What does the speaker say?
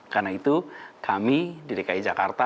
karena itu kami di dki jakarta